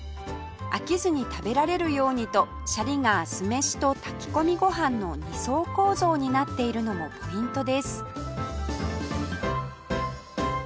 飽きずに食べられるようにとシャリが酢飯と炊き込みご飯の２層構造になっているのもポイントです